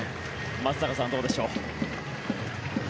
松坂さんどうでしょう。